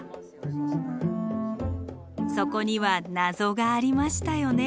そこには謎がありましたよね。